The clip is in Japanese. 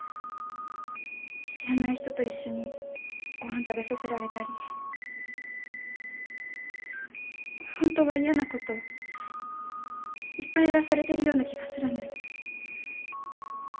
知らない人と一緒にご飯食べさせられたりホントは嫌なこといっぱいやらされてるような気がするんです